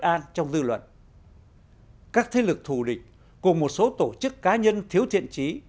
an trong dư luận các thế lực thù địch cùng một số tổ chức cá nhân thiếu thiện trí